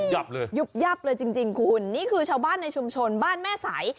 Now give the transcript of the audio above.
ับเลยยุบยับเลยจริงจริงคุณนี่คือชาวบ้านในชุมชนบ้านแม่ใส